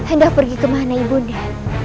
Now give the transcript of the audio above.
anda pergi kemana ibu bunda